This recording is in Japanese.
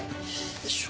よいしょ。